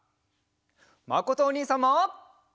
まことおにいさんも！